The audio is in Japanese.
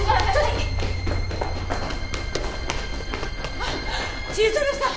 あっ千鶴さん！